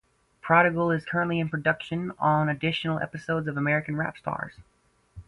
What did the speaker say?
Prodigal is currently in production on additional episodes of American Rap Stars.